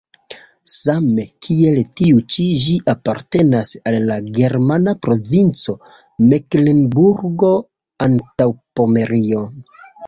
Same kiel tiu ĉi ĝi apartenas al la germana provinco Meklenburgo-Antaŭpomerio.